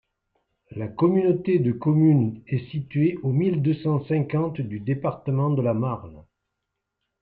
La communauté de communes est située au xxxx du département de la Marne.